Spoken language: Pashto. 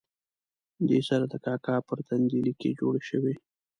دې سره د کاکا پر تندي لیکې جوړې شوې.